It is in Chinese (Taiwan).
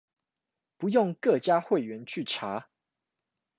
不用各家會員去查